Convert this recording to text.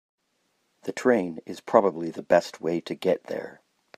The train is probably the best way to get there.